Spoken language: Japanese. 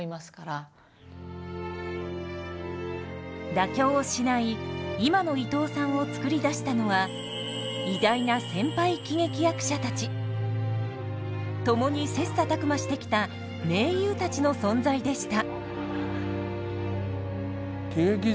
妥協をしない今の伊東さんをつくり出したのは偉大な先輩喜劇役者たちともに切磋琢磨してきた盟友たちの存在でした。